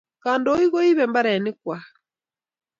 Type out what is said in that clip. Kandoik koibe mbarenik kwak